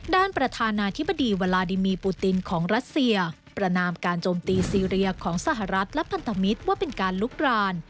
ประธานาธิบดีวาลาดิมีปูตินของรัสเซียประนามการโจมตีซีเรียของสหรัฐและพันธมิตรว่าเป็นการลุกราน